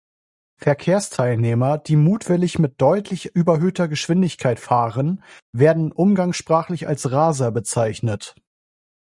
Verkehrsteilnehmer, die mutwillig mit deutlich überhöhter Geschwindigkeit fahren, werden umgangssprachlich als Raser bezeichnet.